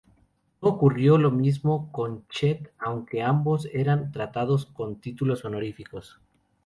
No ocurrió lo mismo con Chet aunque ambos eran tratados con títulos honoríficos.